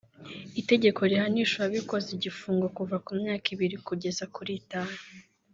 itegeko rihanisha uwabikoze igifungo kuva ku myaka ibiri kugeza kuri itanu